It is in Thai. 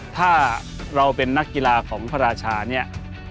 ถ้าเราเป็นนักกีฬาของพระราชาเนี่ย